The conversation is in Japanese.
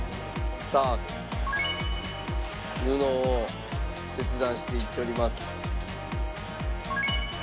さあ布を切断していっております。